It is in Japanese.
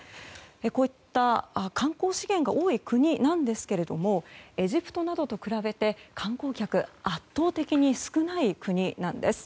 こういった観光資源が多い国なんですけれどもエジプトなどと比べて観光客が圧倒的に少ない国なんです。